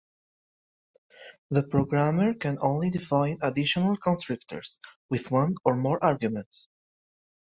The programmer can only define additional constructors with one or more arguments.